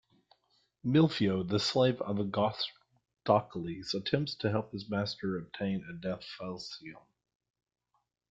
Milphio, the slave of Agorastocles, attempts to help his master obtain Adelphasium.